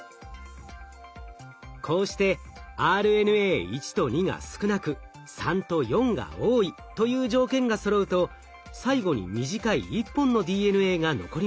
こうしてＲＮＡ１と２が少なく３と４が多いという条件がそろうと最後に短い１本のＤＮＡが残りました。